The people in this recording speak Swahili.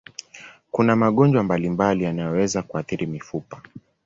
Kuna magonjwa mbalimbali yanayoweza kuathiri mifupa.